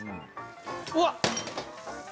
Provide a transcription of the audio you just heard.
うわっ！